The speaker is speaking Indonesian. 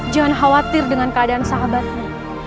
jangan khawatir dengan keadaan sahabatmu